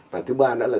và thứ ba nữa là